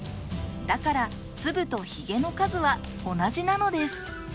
だから粒とヒゲの数は同じなのです。